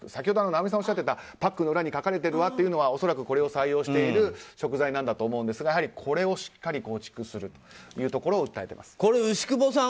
先ほど尚美さんがおっしゃっていたパックの裏に書かれているというのは恐らくこれを採用している食材なんだと思うんですがこれをしっかり構築するところを訴えています。